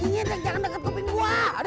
jangan deket kuping gua